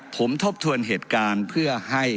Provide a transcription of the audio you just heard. ผมทบทวนเหตุการณ์เพื่อให้